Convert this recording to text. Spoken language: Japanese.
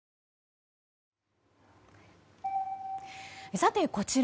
さて、こちら。